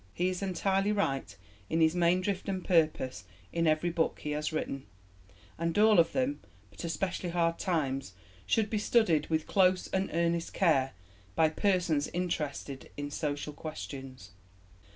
... He is entirely right in his main drift and purpose in every book he has written; and all of them, but especially Hard Times, should be studied with close and earnest care by persons interested in social questions."